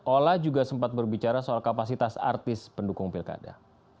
ola juga sempat berbicara soal kapasitas artis pendukung pilkada